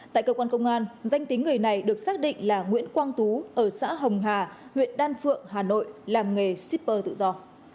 tại cơ quan công an danh tính người này được xác định là nguyễn quang tú ở xã hồng hà huyện đan phượng hà nội làm nghề shipper tự do